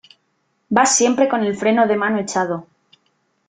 vas siempre con el freno de mano echado ,